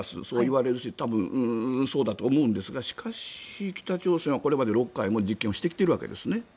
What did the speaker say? そういわれるし多分、そうだと思うんですがしかし、北朝鮮はこれまで６回も実験をしてきているわけですね。